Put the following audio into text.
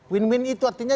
win win itu artinya